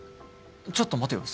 ちょっと待てよ。